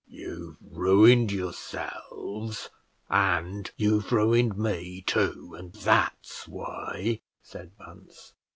"You've ruined yourselves, and you've ruined me too, and that's why," said Bunce.